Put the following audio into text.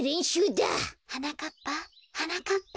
・はなかっぱはなかっぱ。